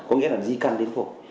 có nghĩa là di căn đến phổi